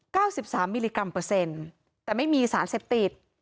สิบสามมิลลิกรัมเปอร์เซ็นต์แต่ไม่มีสารเสพติด